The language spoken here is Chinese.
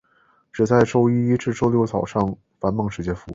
只在周一至六早上繁忙时间服务。